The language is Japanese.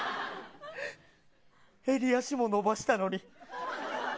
襟足も伸ばしたのに。